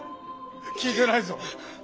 聞いてないぞ。